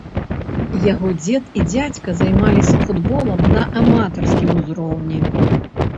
Яго дзед і дзядзька займаліся футболам на аматарскім узроўні.